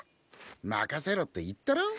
任せろって言ったろ？